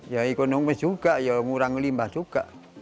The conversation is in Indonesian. ya ekonomis juga ya ngurang limbah juga